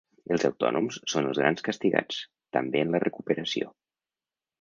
Els autònoms són els grans castigats, també en la recuperació.